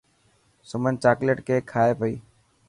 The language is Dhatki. سمن چاڪليٽ ڪيڪ کائي پئي.